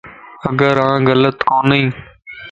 اگر آن غلط ڪونئين